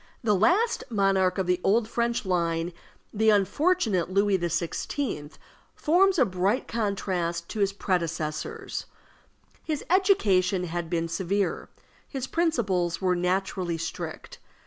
The last monarch of the old French line, the unfortunate Louis XVI., forms a bright contrast to his predecessors. His education had been severe, his principles were naturally strict.